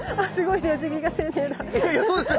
いやいやそうですよ。